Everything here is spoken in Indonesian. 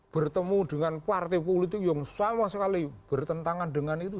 bertemu dengan partai politik yang sama sekali bertentangan dengan itu